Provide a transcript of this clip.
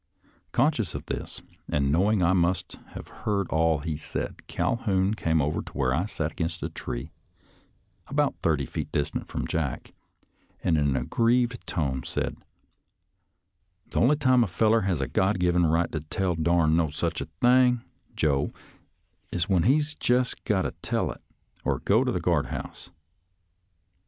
Conscious of this and knowing I must have heard all he said, Calhoun came over to where I sat against a tree, about thirty feet distant from Jack, and in an aggrieved tone said, " The only time a feller has a God given right to tell a darn no such a thing, Joe, is when he's jus' got to tell it, or go to the guard house.